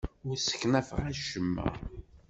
Ur sseknafeɣ acemma.